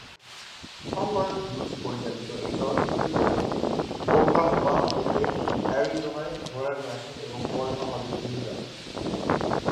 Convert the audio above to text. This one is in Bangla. হাওয়ার্ড হিউজ পরিচালিত এই চলচ্চিত্রের জন্য তিনি ওকলাহোমা থেকে অ্যারিজোনায় ঘোড়া নিয়ে আসেন এবং পরে তা হলিউডে নিয়ে যান।